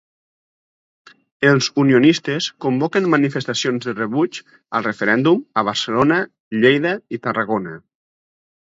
Els unionistes convoquen manifestacions de rebuig al referèndum a Barcelona, Lleida i Tarragona.